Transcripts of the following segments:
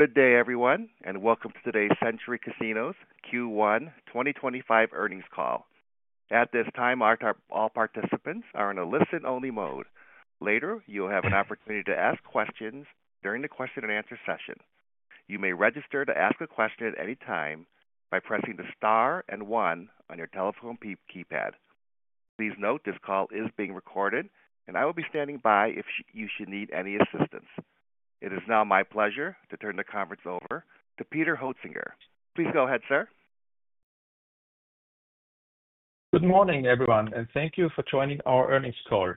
Good day, everyone, and welcome to today's Century Casinos Q1 2025 Earnings Call. At this time, all participants are in a listen-only mode. Later, you'll have an opportunity to ask questions during the question-and-answer session. You may register to ask a question at any time by pressing the star and one on your telephone keypad. Please note this call is being recorded, and I will be standing by if you should need any assistance. It is now my pleasure to turn the conference over to Peter Hoetzinger. Please go ahead, sir. Good morning, everyone, and thank you for joining our earnings call.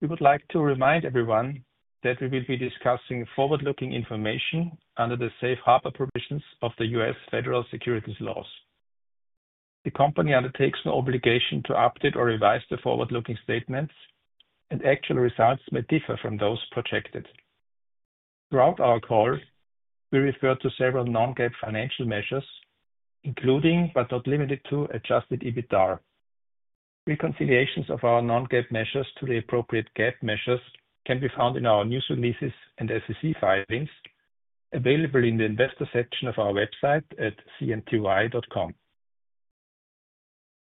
We would like to remind everyone that we will be discussing forward-looking information under the safe harbor provisions of the U.S. Federal Securities Laws. The company undertakes no obligation to update or revise the forward-looking statements, and actual results may differ from those projected. Throughout our call, we refer to several non-GAAP financial measures, including, but not limited to, adjusted EBITDA. Reconciliations of our non-GAAP measures to the appropriate GAAP measures can be found in our news releases and SEC filings, available in the investor section of our website at cnty.com.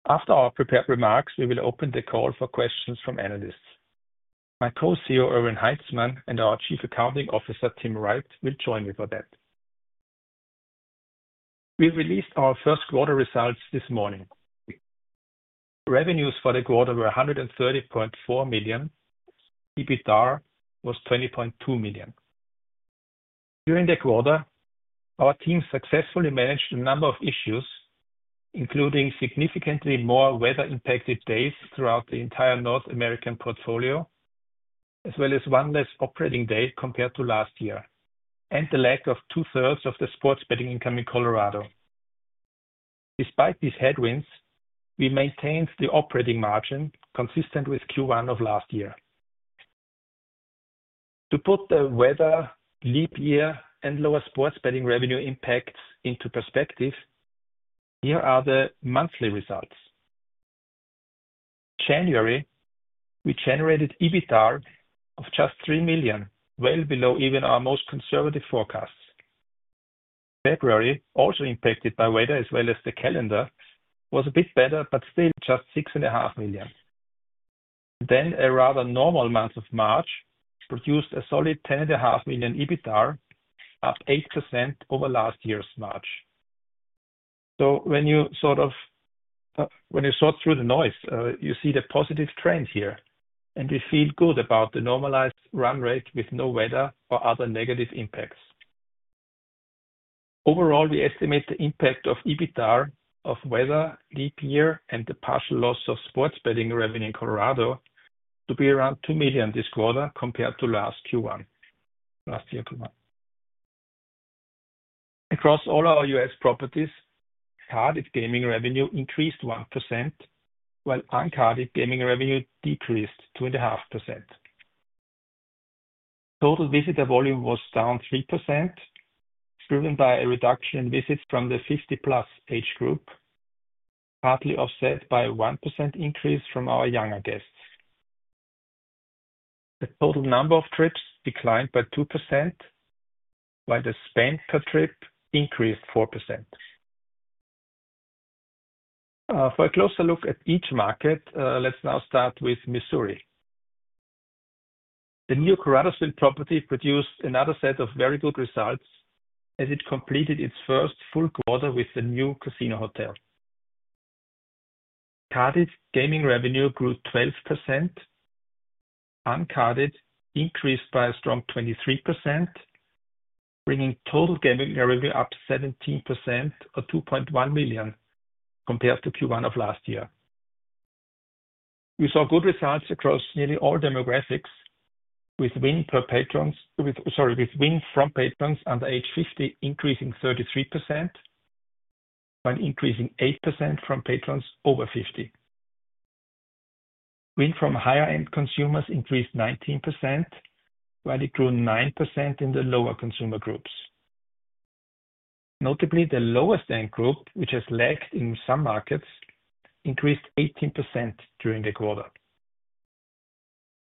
After our prepared remarks, we will open the call for questions from analysts. My Co-CEO, Erwin Haitzmann, and our Chief Accounting Officer, Tim Wright, will join me for that. We released our first quarter results this morning. Revenues for the quarter were $130.4 million. EBITDA was $20.2 million. During the quarter, our team successfully managed a number of issues, including significantly more weather-impacted days throughout the entire North American portfolio, as well as one less operating day compared to last year, and the lack of two-thirds of the sports betting income in Colorado. Despite these headwinds, we maintained the operating margin consistent with Q1 of last year. To put the weather, leap year, and lower sports betting revenue impacts into perspective, here are the monthly results. In January, we generated EBITDA of just $3 million, well below even our most conservative forecasts. February, also impacted by weather as well as the calendar, was a bit better, but still just $6.5 million. Then a rather normal month of March produced a solid $10.5 million EBITDA, up 8% over last year's March. When you sort of, when you sort through the noise, you see the positive trend here, and we feel good about the normalized run rate with no weather or other negative impacts. Overall, we estimate the impact to EBITDA of weather, leap year, and the partial loss of sports betting revenue in Colorado to be around $2 million this quarter compared to last Q1, last year Q1. Across all our U.S properties, carded gaming revenue increased 1%, while uncarded gaming revenue decreased 2.5%. Total visitor volume was down 3%, driven by a reduction in visits from the 50-plus age group, partly offset by a 1% increase from our younger guests. The total number of trips declined by 2%, while the spend per trip increased 4%. For a closer look at each market, let's now start with Missouri. The new Caruthersville property produced another set of very good results as it completed its first full quarter with the new casino hotel. Carded gaming revenue grew 12%. Uncarded increased by a strong 23%, bringing total gaming revenue up 17%, or $2.1 million, compared to Q1 of last year. We saw good results across nearly all demographics, with win per patrons, with, sorry, with win from patrons under age 50 increasing 33%, while increasing 8% from patrons over 50. Win from higher-end consumers increased 19%, while it grew 9% in the lower consumer groups. Notably, the lowest-end group, which has lagged in some markets, increased 18% during the quarter.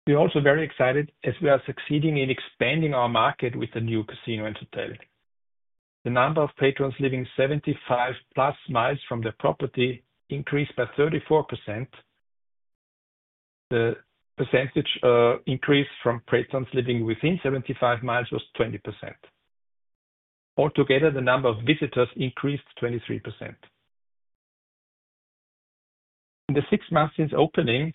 We are also very excited as we are succeeding in expanding our market with the new casino and hotel. The number of patrons living 75-plus miles from the property increased by 34%. The percentage increase from patrons living within 75 mi was 20%. Altogether, the number of visitors increased 23%. In the six months since opening,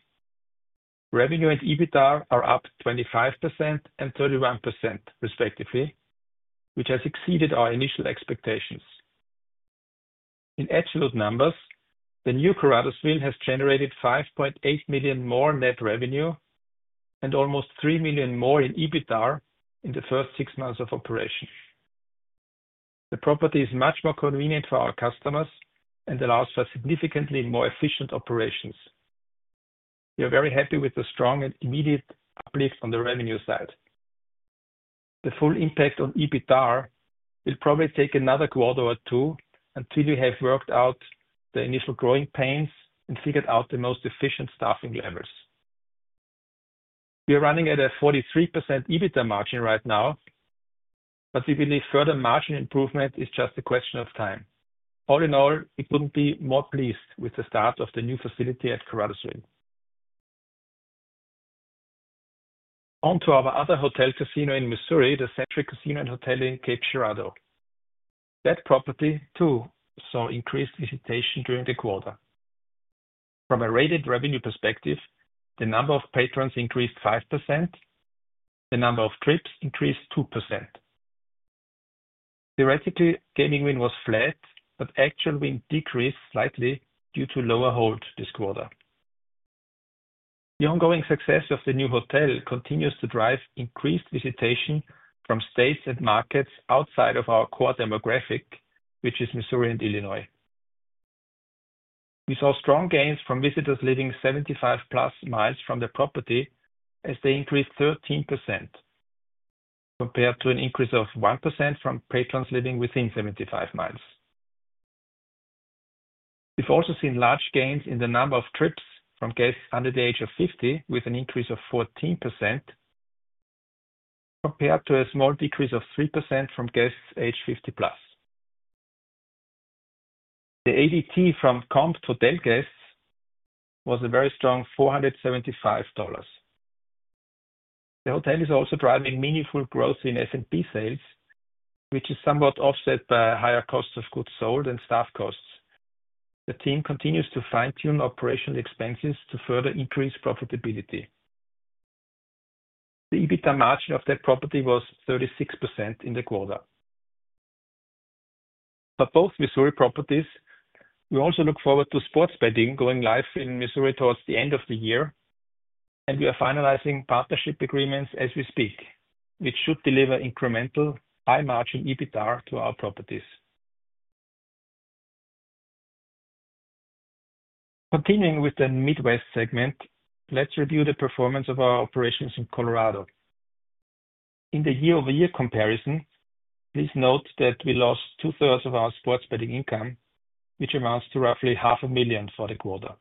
revenue and EBITDA are up 25% and 31%, respectively, which has exceeded our initial expectations. In absolute numbers, the new Caruthersville has generated $5.8 million more net revenue and almost $3 million more in EBITDA in the first six months of operation. The property is much more convenient for our customers and allows for significantly more efficient operations. We are very happy with the strong and immediate uplift on the revenue side. The full impact on EBITDA will probably take another quarter or two until we have worked out the initial growing pains and figured out the most efficient staffing levels. We are running at a 43% EBITDA margin right now, but we believe further margin improvement is just a question of time. All in all, we could not be more pleased with the start of the new facility at Caruthersville. On to our other hotel casino in Missouri, the Century Casino and Hotel in Cape Girardeau. That property too saw increased visitation during the quarter. From a rated revenue perspective, the number of patrons increased 5%. The number of trips increased 2%. Theoretically, gaming win was flat, but actual win decreased slightly due to lower hold this quarter. The ongoing success of the new hotel continues to drive increased visitation from states and markets outside of our core demographic, which is Missouri and Illinois. We saw strong gains from visitors living 75-plus miles from the property as they increased 13%, compared to an increase of 1% from patrons living within 75 miles. We've also seen large gains in the number of trips from guests under the age of 50, with an increase of 14%, compared to a small decrease of 3% from guests age 50-plus. The ADT from Comp/Total guests was a very strong $475. The hotel is also driving meaningful growth in S&P sales, which is somewhat offset by higher costs of goods sold and staff costs. The team continues to fine-tune operational expenses to further increase profitability. The EBITDA margin of that property was 36% in the quarter. For both Missouri properties, we also look forward to sports betting going live in Missouri towards the end of the year, and we are finalizing partnership agreements as we speak, which should deliver incremental high-margin EBITDA to our properties. Continuing with the Midwest segment, let's review the performance of our operations in Colorado. In the year-over-year comparison, please note that we lost two-thirds of our sports betting income, which amounts to roughly $500,000 for the quarter.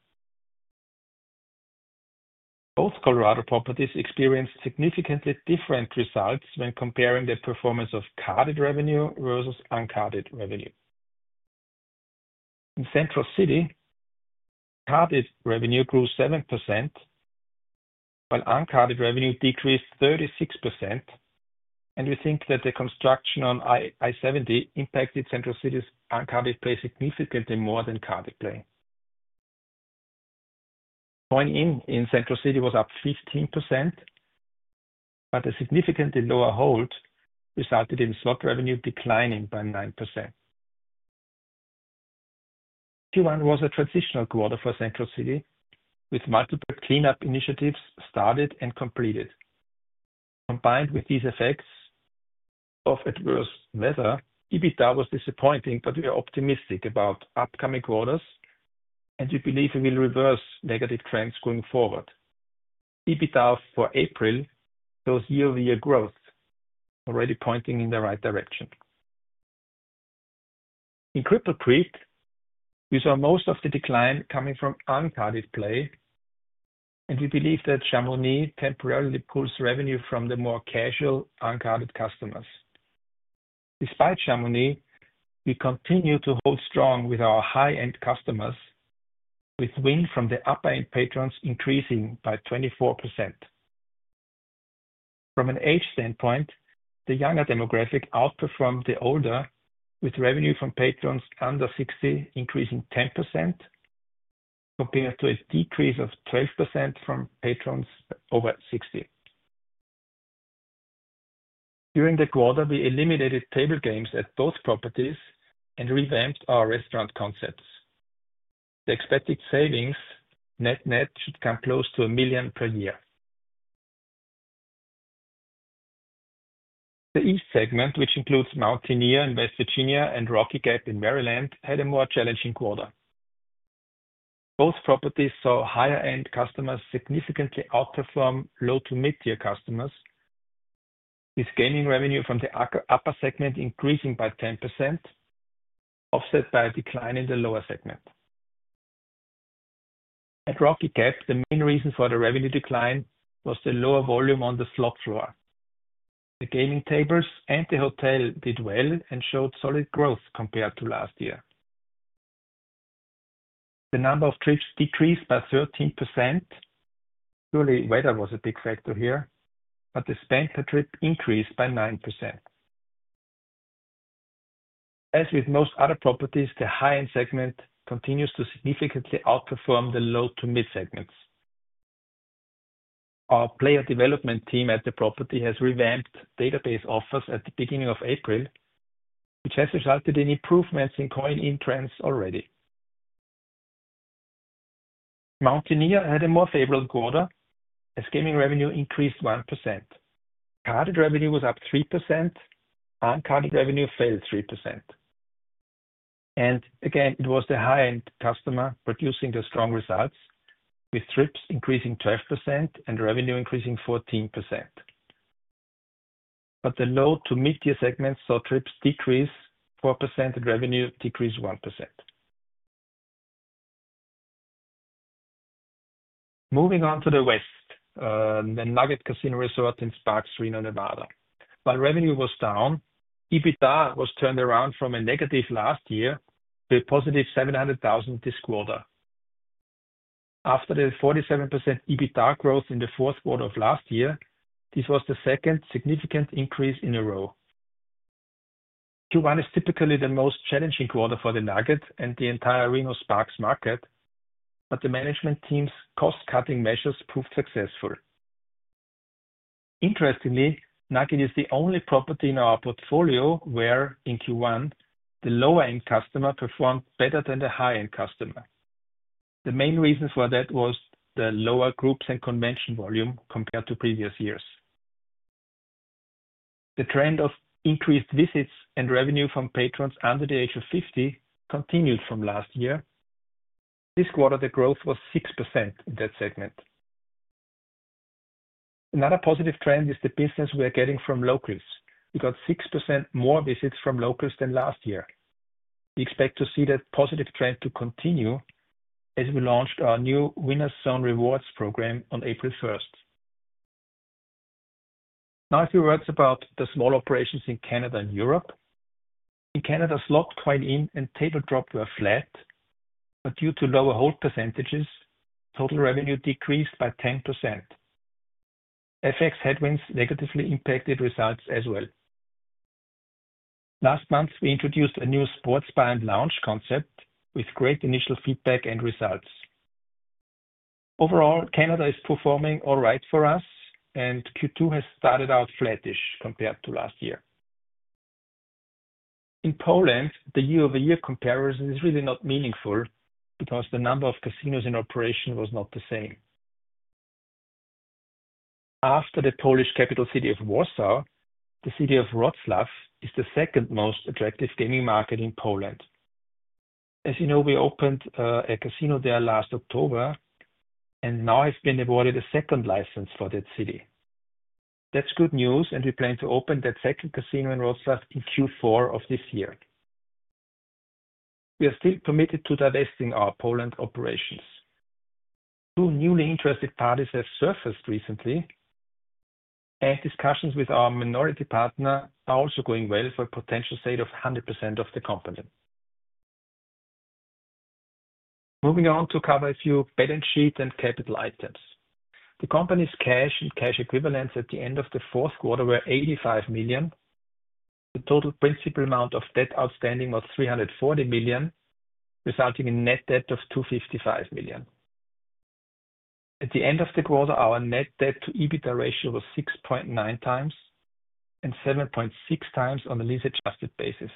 Both Colorado properties experienced significantly different results when comparing the performance of carded revenue versus uncarded revenue. In Central City, carded revenue grew 7%, while uncarded revenue decreased 36%, and we think that the construction on I-70 impacted Central City's uncarded play significantly more than carded play. Going in, in Central City was up 15%, but a significantly lower hold resulted in slot revenue declining by 9%. Q1 was a transitional quarter for Central City, with multiple cleanup initiatives started and completed. Combined with these effects of adverse weather, EBITDA was disappointing, but we are optimistic about upcoming quarters, and we believe we will reverse negative trends going forward. EBITDA for April shows year-over-year growth, already pointing in the right direction. In Cripple Creek, we saw most of the decline coming from uncarded play, and we believe that Chamonix temporarily pulls revenue from the more casual uncarded customers. Despite Chamonix, we continue to hold strong with our high-end customers, with win from the upper-end patrons increasing by 24%. From an age standpoint, the younger demographic outperformed the older, with revenue from patrons under 60 increasing 10% compared to a decrease of 12% from patrons over 60. During the quarter, we eliminated table games at both properties and revamped our restaurant concepts. The expected savings net-net should come close to $1 million per year. The East segment, which includes Mountaineer in West Virginia and Rocky Gap in Maryland, had a more challenging quarter. Both properties saw higher-end customers significantly outperform low-to-mid-tier customers, with gaming revenue from the upper segment increasing by 10%, offset by a decline in the lower segment. At Rocky Gap, the main reason for the revenue decline was the lower volume on the slot floor. The gaming tables and the hotel did well and showed solid growth compared to last year. The number of trips decreased by 13%. Surely, weather was a big factor here, but the spend per trip increased by 9%. As with most other properties, the high-end segment continues to significantly outperform the low-to-mid segments. Our player development team at the property has revamped database offers at the beginning of April, which has resulted in improvements in coin-in trends already. Mountaineer had a more favorable quarter as gaming revenue increased 1%. Carded revenue was up 3%. Uncarded revenue fell 3%. It was the high-end customer producing the strong results, with trips increasing 12% and revenue increasing 14%. The low-to-mid-tier segment saw trips decrease 4% and revenue decrease 1%. Moving on to the West, the Nugget Casino Resort in Sparks, Reno, Nevada. While revenue was down, EBITDA was turned around from a negative last year to a positive $700,000 this quarter. After the 47% EBITDA growth in the fourth quarter of last year, this was the second significant increase in a row. Q1 is typically the most challenging quarter for the Nugget and the entire Reno Sparks market, but the management team's cost-cutting measures proved successful. Interestingly, Nugget is the only property in our portfolio where, in Q1, the lower-end customer performed better than the high-end customer. The main reason for that was the lower groups and convention volume compared to previous years. The trend of increased visits and revenue from patrons under the age of 50 continued from last year. This quarter, the growth was 6% in that segment. Another positive trend is the business we are getting from locals. We got 6% more visits from locals than last year. We expect to see that positive trend to continue as we launched our new Winner's Zone rewards program on April 1st. Now, a few words about the small operations in Canada and Europe. In Canada, slot coin-in and table drop were flat, but due to lower hold percentages, total revenue decreased by 10%. FX headwinds negatively impacted results as well. Last month, we introduced a new sports bar and lounge concept with great initial feedback and results. Overall, Canada is performing all right for us, and Q2 has started out flattish compared to last year. In Poland, the year-over-year comparison is really not meaningful because the number of casinos in operation was not the same. After the Polish capital city of Warsaw, the city of Wrocław is the second most attractive gaming market in Poland. As you know, we opened a casino there last October and now have been awarded a second license for that city. That's good news, and we plan to open that second casino in Wrocław in Q4 of this year. We are still committed to divesting our Poland operations. Two newly interested parties have surfaced recently, and discussions with our minority partner are also going well for a potential sale of 100% of the company. Moving on to cover a few balance sheet and capital items. The company's cash and cash equivalents at the end of the fourth quarter were $85 million, but the total principal amount of debt outstanding was $340 million, resulting in net debt of $255 million. At the end of the quarter, our net debt-to-EBITDA ratio was 6.9 times and 7.6 times on a lease-adjusted basis.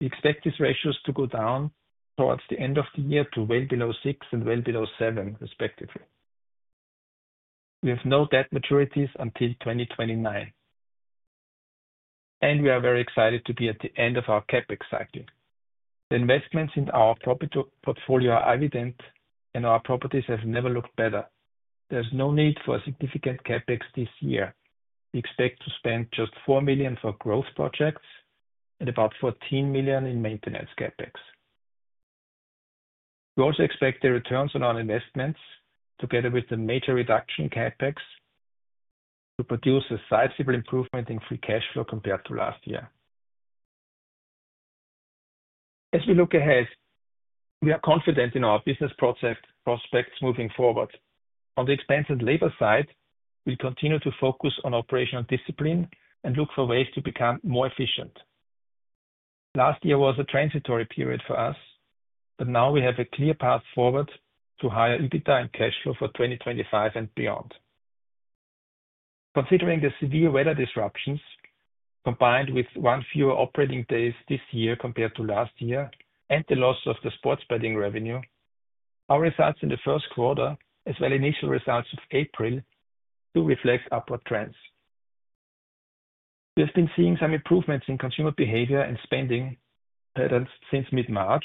We expect these ratios to go down towards the end of the year to well below 6 and well below 7, respectively. We have no debt maturities until 2029, and we are very excited to be at the end of our CapEx cycle. The investments in our portfolio are evident, and our properties have never looked better. There is no need for a significant CapEx this year. We expect to spend just $4 million for growth projects and about $14 million in maintenance CapEx. We also expect the returns on our investments, together with the major reduction in CapEx, to produce a sizable improvement in free cash flow compared to last year. As we look ahead, we are confident in our business prospects moving forward. On the expense and labor side, we'll continue to focus on operational discipline and look for ways to become more efficient. Last year was a transitory period for us, but now we have a clear path forward to higher EBITDA and cash flow for 2025 and beyond. Considering the severe weather disruptions, combined with one fewer operating days this year compared to last year, and the loss of the sports betting revenue, our results in the first quarter, as well as initial results of April, do reflect upward trends. We have been seeing some improvements in consumer behavior and spending patterns since mid-March,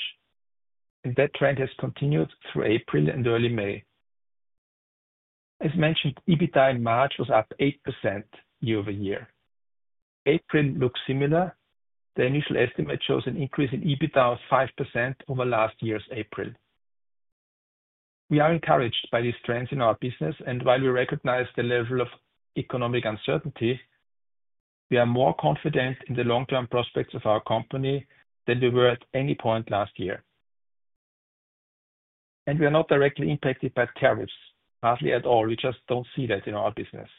and that trend has continued through April and early May. As mentioned, EBITDA in March was up 8% year-over-year. April looks similar. The initial estimate shows an increase in EBITDA of 5% over last year's April. We are encouraged by these trends in our business, and while we recognize the level of economic uncertainty, we are more confident in the long-term prospects of our company than we were at any point last year. We are not directly impacted by tariffs, hardly at all. We just do not see that in our business.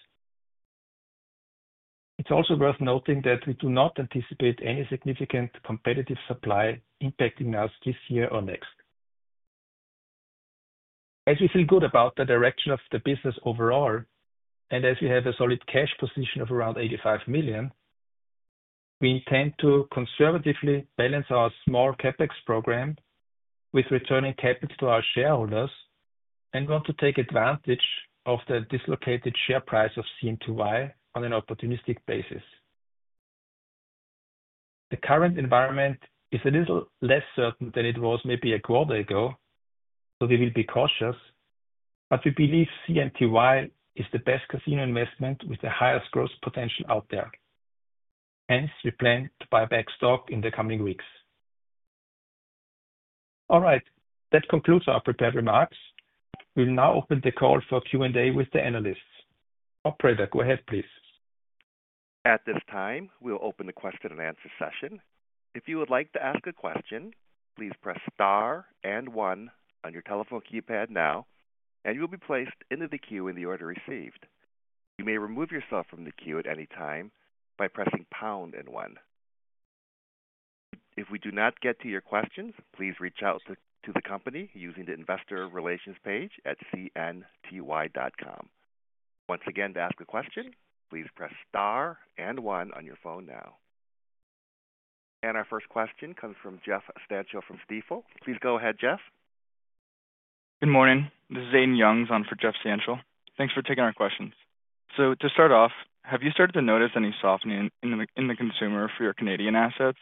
It is also worth noting that we do not anticipate any significant competitive supply impacting us this year or next. As we feel good about the direction of the business overall, and as we have a solid cash position of around $85 million, we intend to conservatively balance our small CapEx program with returning capital to our shareholders and want to take advantage of the dislocated share price of CNTY on an opportunistic basis. The current environment is a little less certain than it was maybe a quarter ago, so we will be cautious, but we believe CNTY is the best casino investment with the highest growth potential out there. Hence, we plan to buy back stock in the coming weeks. All right, that concludes our prepared remarks. We'll now open the call for Q&A with the analysts. Operator, go ahead, please. At this time, we'll open the question and answer session. If you would like to ask a question, please press star and one on your telephone keypad now, and you'll be placed into the queue in the order received. You may remove yourself from the queue at any time by pressing pound and one. If we do not get to your questions, please reach out to the company using the investor relations page at cnty.com. Once again, to ask a question, please press star and one on your phone now. Our first question comes from Jeff Stanchill from Stifel. Please go ahead, Jeff. Good morning. This is Aiden Youngs, on for Jeff Stanchill. Thanks for taking our questions. To start off, have you started to notice any softening in the consumer for your Canadian assets,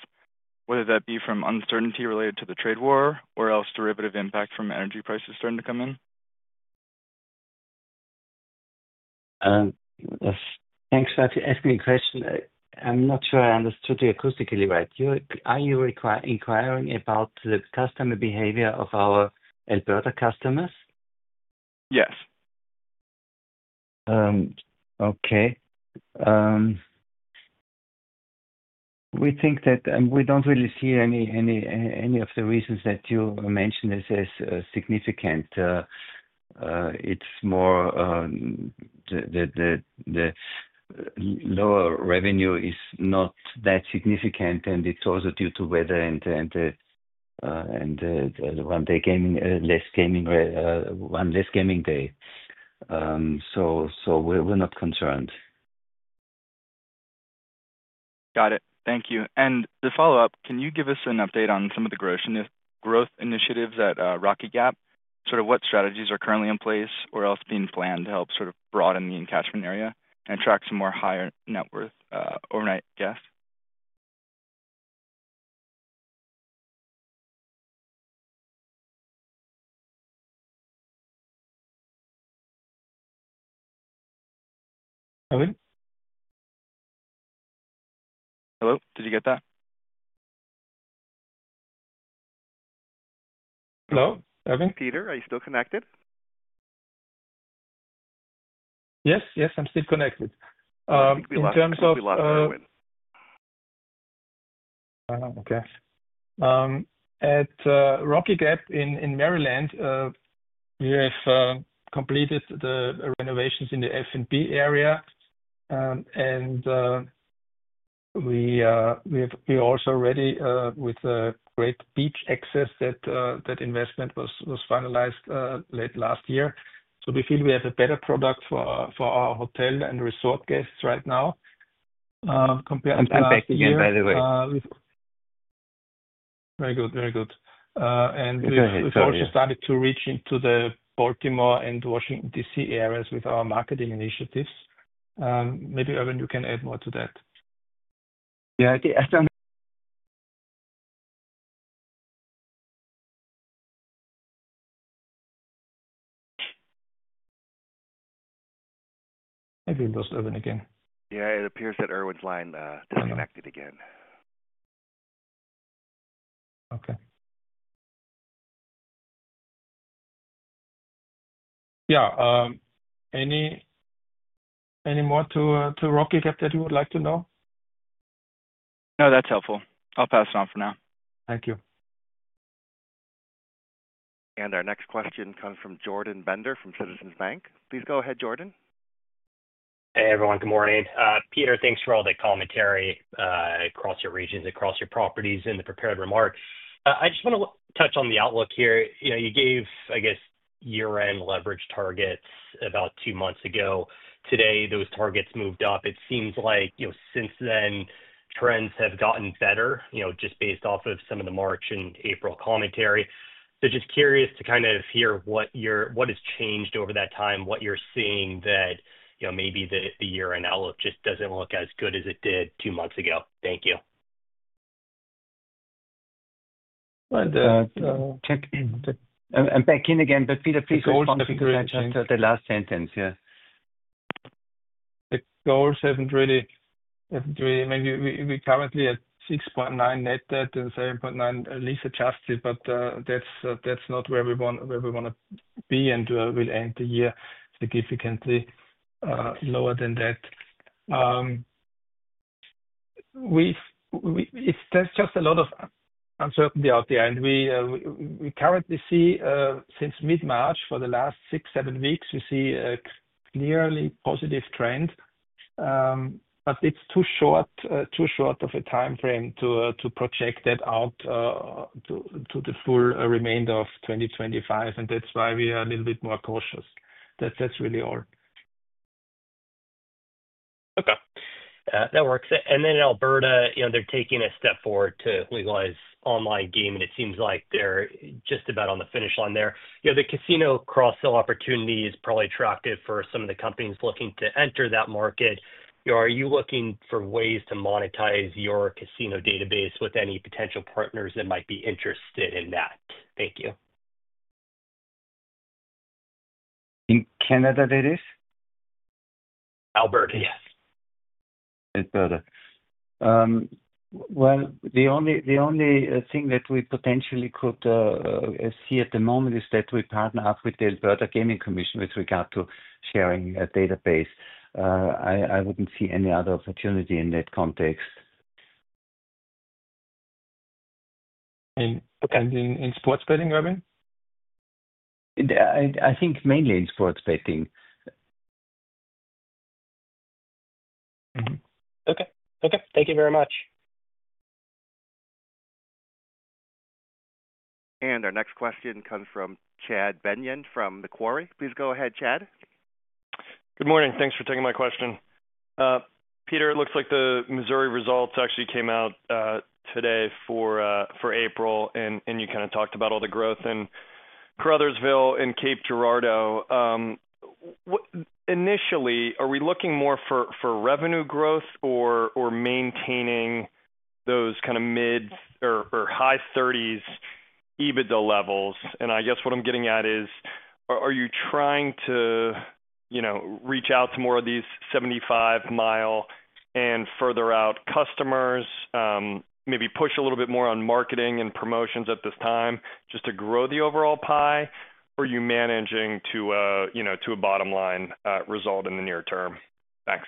whether that be from uncertainty related to the trade war or else derivative impact from energy prices starting to come in? Thanks for asking the question. I'm not sure I understood you acoustically right. Are you inquiring about the customer behavior of our Alberta customers? Yes. Okay. We think that we do not really see any of the reasons that you mentioned as significant. It is more the lower revenue is not that significant, and it is also due to weather and one day less gaming day. We are not concerned. Got it. Thank you. To follow up, can you give us an update on some of the growth initiatives at Rocky Gap? Sort of what strategies are currently in place or else being planned to help sort of broaden the encashment area and attract some more higher net worth overnight guests? Erwin? Hello? Did you get that? Hello, Erwin? Peter, are you still connected? Yes, yes. I'm still connected. In terms of. Okay. At Rocky Gap in Maryland, we have completed the renovations in the F&B area, and we are also ready with great beach access. That investment was finalized late last year. We feel we have a better product for our hotel and resort guests right now compared to. And back again, by the way. Very good, very good. We have also started to reach into the Baltimore and Washington, D.C. areas with our marketing initiatives. Maybe Erwin, you can add more to that. Yeah. Maybe it lost Erwin again. Yeah, it appears that Erwin's line disconnected again. Okay. Yeah. Any more to Rocky Gap that you would like to know? No, that's helpful. I'll pass it on for now. Thank you. Our next question comes from Jordan Bender from Citizens Bank. Please go ahead, Jordan. Hey, everyone. Good morning. Peter, thanks for all the commentary across your regions, across your properties in the prepared remarks. I just want to touch on the outlook here. You gave, I guess, year-end leverage targets about two months ago. Today, those targets moved up. It seems like since then, trends have gotten better just based off of some of the March and April commentary. Just curious to kind of hear what has changed over that time, what you're seeing that maybe the year-end outlook just does not look as good as it did two months ago. Thank you. I'm back in again, but Peter, please respond to the last sentence. The goals have not really, maybe we are currently at 6.9 net debt and 7.9 lease adjusted, but that is not where we want to be, and we will end the year significantly lower than that. There is just a lot of uncertainty out there. We currently see, since mid-March, for the last six or seven weeks, we see a clearly positive trend, but it is too short of a time frame to project that out to the full remainder of 2025, and that is why we are a little bit more cautious. That is really all. Okay. That works. In Alberta, they're taking a step forward to legalize online game, and it seems like they're just about on the finish line there. The casino cross-sell opportunity is probably attractive for some of the companies looking to enter that market. Are you looking for ways to monetize your casino database with any potential partners that might be interested in that? Thank you. In Canada, that is? Alberta, yes. Alberta. The only thing that we potentially could see at the moment is that we partner up with the Alberta Gaming Commission with regard to sharing a database. I would not see any other opportunity in that context. In sports betting, Erwin? I think mainly in sports betting. Okay. Okay. Thank you very much. Our next question comes from Chad Beynon from Macquarie. Please go ahead, Chad. Good morning. Thanks for taking my question. Peter, it looks like the Missouri results actually came out today for April, and you kind of talked about all the growth in Caruthersville and Cape Girardeau. Initially, are we looking more for revenue growth or maintaining those kind of mid or high 30% EBITDA levels? I guess what I'm getting at is, are you trying to reach out to more of these 75-mi and further out customers, maybe push a little bit more on marketing and promotions at this time just to grow the overall pie, or are you managing to a bottom-line result in the near term? Thanks.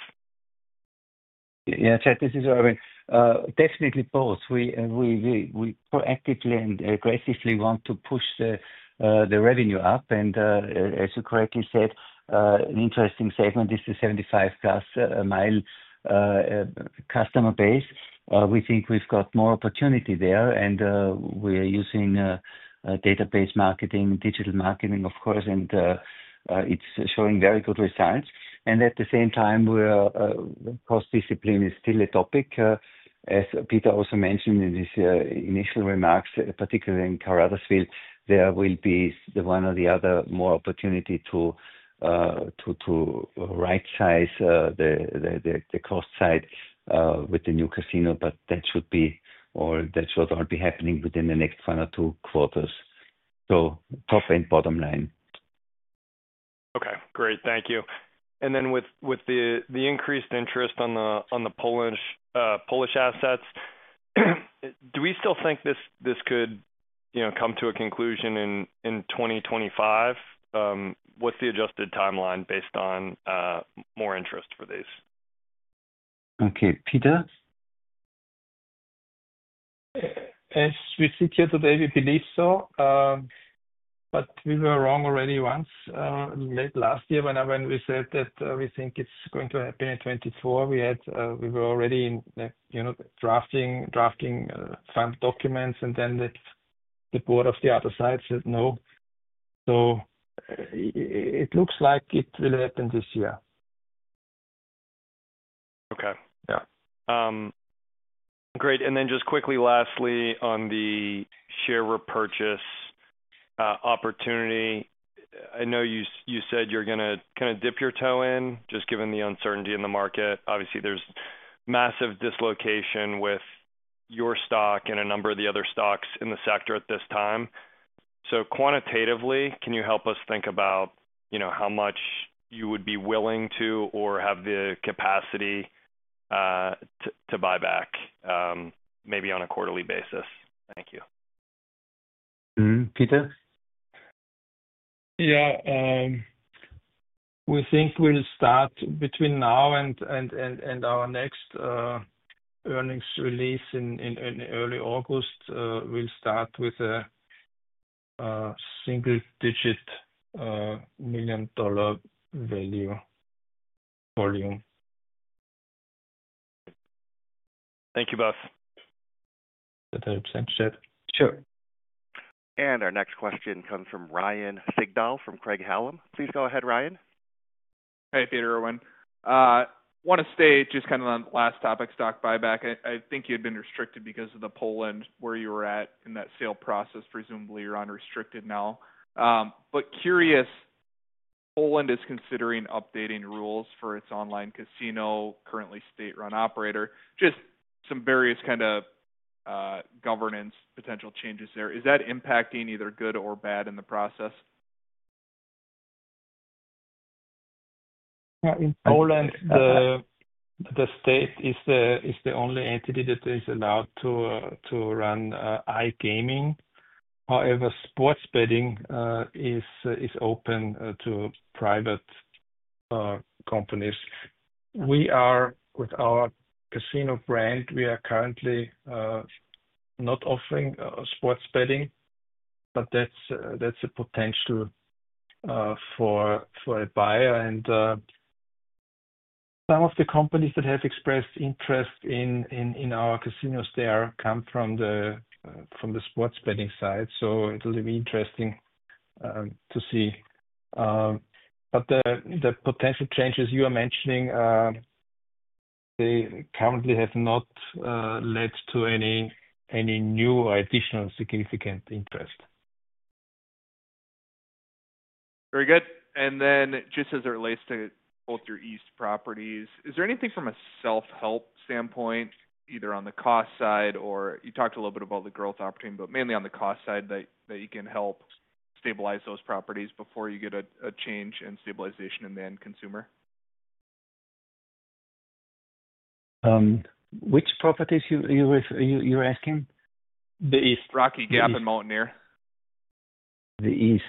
Yeah, Chad, this is Erwin. Definitely both. We proactively and aggressively want to push the revenue up, and as you correctly said, an interesting segment is the 75-plus-mi customer base. We think we've got more opportunity there, and we're using database marketing, digital marketing, of course, and it's showing very good results. At the same time, cost discipline is still a topic, as Peter also mentioned in his initial remarks, particularly in Caruthersville. There will be the one or the other more opportunity to right-size the cost side with the new casino, but that should all be happening within the next one or two quarters. Top and bottom line. Okay. Great. Thank you. With the increased interest on the Polish assets, do we still think this could come to a conclusion in 2025? What's the adjusted timeline based on more interest for these? Okay. Peter? As we sit here today, we believe so, but we were wrong already once late last year when we said that we think it is going to happen in 2024. We were already drafting fund documents, and then the board of the other side said no. It looks like it will happen this year. Okay. Yeah. Great. And then just quickly, lastly, on the share repurchase opportunity, I know you said you are going to kind of dip your toe in just given the uncertainty in the market. Obviously, there is massive dislocation with your stock and a number of the other stocks in the sector at this time. Quantitatively, can you help us think about how much you would be willing to or have the capacity to buy back maybe on a quarterly basis? Thank you. Peter? Yeah. We think we'll start between now and our next earnings release in early August. We'll start with a single-digit million-dollar value volume. Thank you both. That helps, Chad. Sure. Our next question comes from Ryan Sigdahl from Craig-Hallum. Please go ahead, Ryan. Hey, Peter, Erwin. I want to stay just kind of on the last topic, stock buyback. I think you had been restricted because of Poland where you were at in that sale process. Presumably, you're unrestricted now. Curious, Poland is considering updating rules for its online casino, currently state-run operator. Just some various kind of governance potential changes there. Is that impacting either good or bad in the process? In Poland, the state is the only entity that is allowed to run iGaming. However, sports betting is open to private companies. With our casino brand, we are currently not offering sports betting, but that's a potential for a buyer. Some of the companies that have expressed interest in our casinos there come from the sports betting side, so it'll be interesting to see. The potential changes you are mentioning, they currently have not led to any new or additional significant interest. Very good. Just as it relates to both your east properties, is there anything from a self-help standpoint, either on the cost side or you talked a little bit about the growth opportunity, but mainly on the cost side that you can help stabilize those properties before you get a change and stabilization in the end consumer? Which properties are you asking? The east. Rocky Gap and Mountaineer. The east.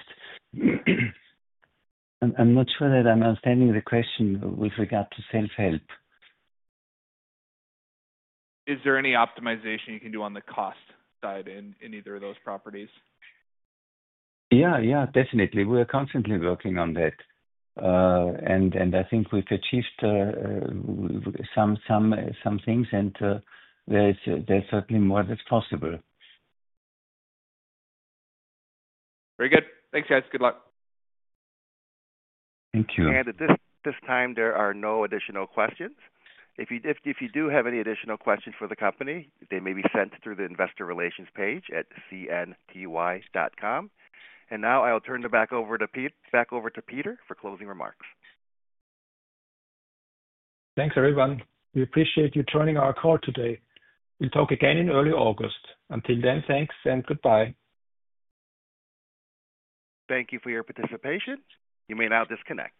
I'm not sure that I'm understanding the question with regard to self-help. Is there any optimization you can do on the cost side in either of those properties? Yeah, yeah. Definitely. We are constantly working on that. And I think we've achieved some things, and there's certainly more that's possible. Very good. Thanks, guys. Good luck. Thank you. At this time, there are no additional questions. If you do have any additional questions for the company, they may be sent through the investor relations page at cnty.com. Now I'll turn it back over to Peter for closing remarks. Thanks, everyone. We appreciate you joining our call today. We'll talk again in early August. Until then, thanks and goodbye. Thank you for your participation. You may now disconnect.